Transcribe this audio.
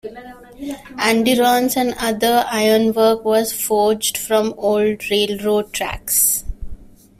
Andirons and other iron work was forged from old railroad tracks.